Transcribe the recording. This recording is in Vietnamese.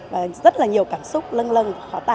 và rất là nhiều cảm xúc lân lầng khó tả